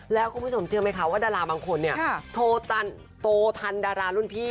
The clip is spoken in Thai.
แล้วคุณผู้ชมเชื่อไหมคะว่าดาราบางคนเนี่ยโทรทันดารารุ่นพี่